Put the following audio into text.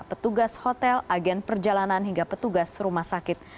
petugas hotel agen perjalanan hingga petugas rumah sakit